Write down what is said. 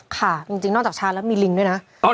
ค่ะจริงนอกจากชาแล้วมีลิงด้วยนะ